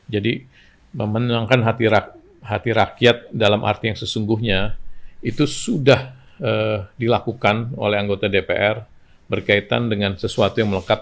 jadi memenangkan hati rakyat dalam arti yang sesungguhnya itu sudah dilakukan oleh anggota dpr berkaitan dengan sesuatu yang melekat